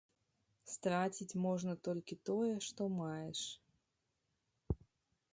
Страціць можна толькі тое, што маеш.